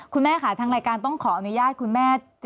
คุณแม่ค่ะทางรายการต้องขออนุญาตคุณแม่